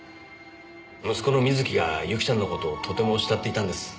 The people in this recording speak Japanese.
息子の瑞貴がユキちゃんの事をとても慕っていたんです。